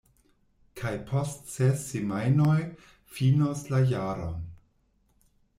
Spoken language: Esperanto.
Kaj post ses semajnoj finos la jaron.